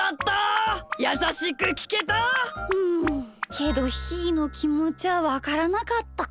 けどひーのきもちはわからなかった。